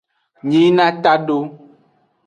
Nyina tado.